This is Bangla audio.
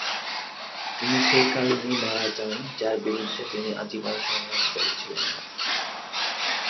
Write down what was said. তিনি সেই কারণেই মারা যান যার বিরুদ্ধে তিনি আজীবন সংগ্রাম করেছিলেন।